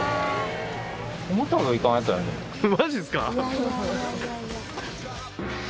マジっすか？